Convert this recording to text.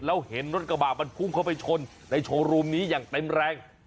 แล้วเห็นรถกระบาดมันพุ่งเข้าไปชนในโชว์รูมนี้อย่างเต็มแรง